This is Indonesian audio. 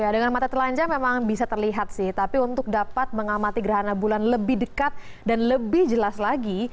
dengan mata telanjang memang bisa terlihat sih tapi untuk dapat mengamati gerhana bulan lebih dekat dan lebih jelas lagi